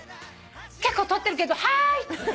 結構取ってるけどはーい！